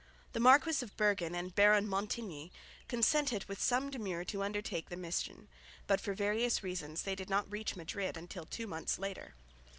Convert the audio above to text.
The Marquis of Berghen and Baron Montigny consented with some demur to undertake the mission, but for various reasons they did not reach Madrid till some two months later.